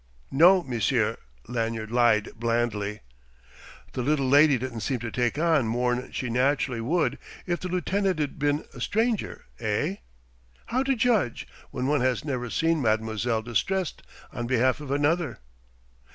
"No, monsieur," Lanyard lied blandly. "The little lady didn't seem to take on more'n she naturally would if the lieutenant'd been a stranger, eh?" "How to judge, when one has never seen mademoiselle distressed on behalf of another?"